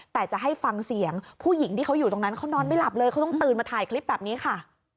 แต่จะให้ฟังเสียงผู้หญิงที่เขาอยู่ตรงนั้นเขานอนไม่หลับเลยเขาต้องตื่นมาถ่ายคลิปแบบนี้ค่ะ